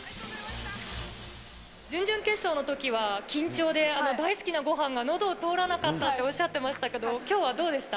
準々決勝のときは緊張で大好きなごはんがのどを通らなかったっておっしゃってましたけど、きょうはどうでした？